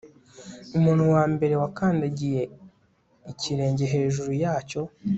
umuntu wa mbere wakandagiye ikirenge hejuru yacyo